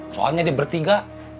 soalnya di bertiga